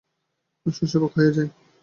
শশী অবাক হইয়া যায়।